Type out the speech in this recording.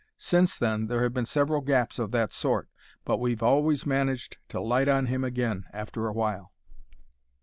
Since then there have been several gaps of that sort; but we've always managed to light on him again after a while.